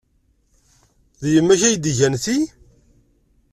D yemma-k ay d-igan ti?